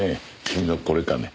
君のこれかね？